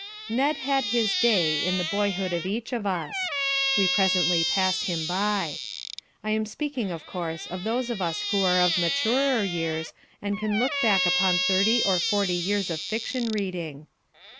Ned had his day, in the boyhood of each of us. We presently passed him by. I am speaking, of course, of those of us who are of maturer years and can look back upon thirty or forty years of fiction reading.